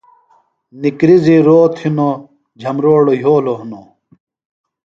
نِکرزیۡ روت ہِنوۡ جھمبروڑوۡ یھولوۡ ہِنوۡ